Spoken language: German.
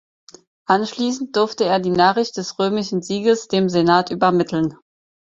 Anschließend durfte er die Nachricht des römischen Sieges dem Senat übermitteln.